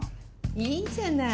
いいじゃない。